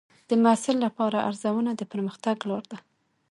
د محصل لپاره ارزونه د پرمختګ لار ده.